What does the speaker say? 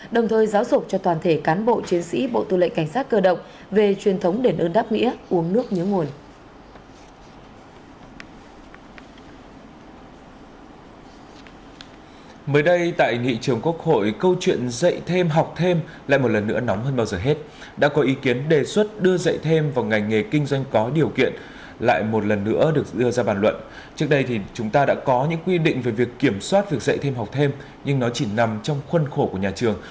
đồng thời giáo dục cho toàn thể cán bộ chiến sĩ bộ tư lãnh cảnh sát cơ động về truyền thống đền ơn đáp nghĩa uống nước nhớ nguồn